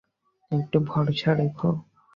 একটু ভরসা রাখো।